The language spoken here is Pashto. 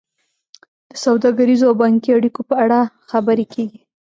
د سوداګریزو او بانکي اړیکو په اړه خبرې کیږي